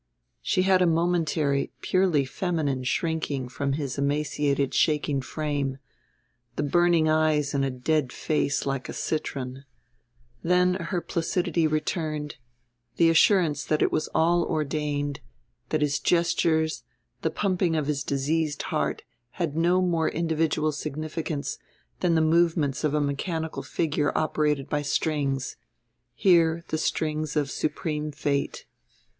She had a momentary, purely feminine shrinking from his emaciated shaking frame, the burning eyes in a face dead like a citron; then her placidity returned, the assurance that it was all ordained, that his gestures, the pumping of his diseased heart, had no more individual significance than the movements of a mechanical figure operated by strings, here the strings of supreme Fate.